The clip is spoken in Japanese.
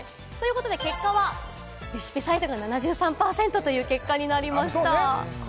では結果はレシピサイトが７３％という結果になりました。